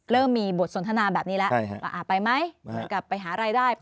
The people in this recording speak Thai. เริ่มมีบทสนทนาแบบนี้แล้วไปไหมกลับไปหารายได้